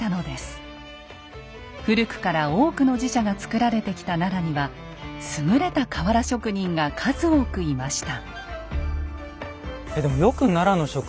古くから多くの寺社が造られてきた奈良には優れた瓦職人が数多くいました。